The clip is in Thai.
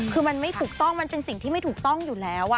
คือมันไม่ถูกต้องมันเป็นสิ่งที่ไม่ถูกต้องอยู่แล้ว